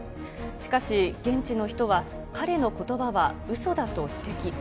しかし、現地の人は彼のことばはうそだと指摘。